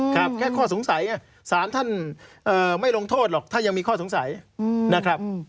แค่ข้อสงสัยไงสารท่านไม่ลงโทษหรอกท่านยังมีข้อสงสัยนะครับ